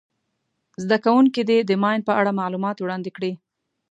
زده کوونکي دې د ماین په اړه معلومات وړاندي کړي.